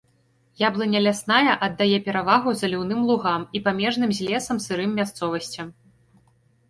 Яблыня лясная аддае перавагу заліўным лугам і памежным з лесам сырым мясцовасцям.